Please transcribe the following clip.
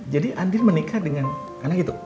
jadi andin menikah dengan anak itu